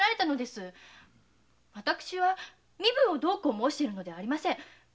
私は身分をどうこう申しているのではありません。